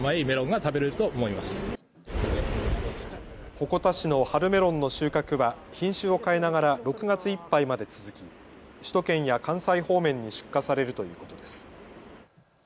鉾田市の春メロンの収穫は品種を変えながら６月いっぱいまで続き、首都圏や関西方面に出荷されるということです。